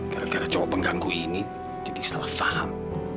gara gara cowok pengganggu ini jadi salah faham